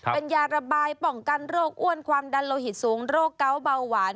เป็นยาระบายป้องกันโรคอ้วนความดันโลหิตสูงโรคเกาะเบาหวาน